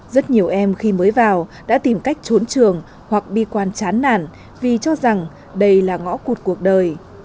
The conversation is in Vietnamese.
rất nhiều em khi mới vào đã tìm cách trốn trường hoặc bi quan chán nản vì cho rằng đây là ngõ cụt cuộc đời